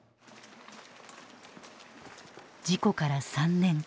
事故から３年。